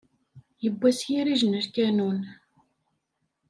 Yewwa s yirij n lkanun!